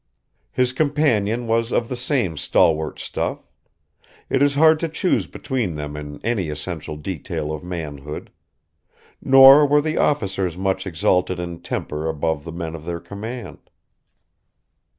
His companion was of the same stalwart stuff. It is hard to choose between them in any essential detail of manhood. Nor were the officers much exalted in temper above the men of their command.